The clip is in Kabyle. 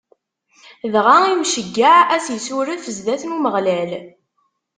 Dɣa Imceyyeɛ ad s-issuref zdat n Umeɣlal.